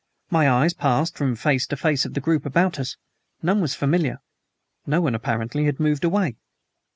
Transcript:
My eyes passed from face to face of the group about us. None was familiar. No one apparently had moved away.